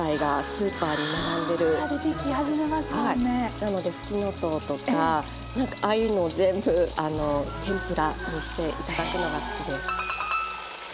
なのでふきのとうとかなんかああいうのを全部天ぷらにしていただくのが好きです。